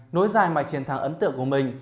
nối dài mạch chiến thắng ấn tượng của mình